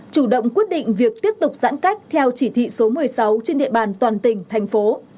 chủ động quyết định việc tiếp tục giãn cách theo chỉ thị số một mươi sáu trên địa bàn toàn cơ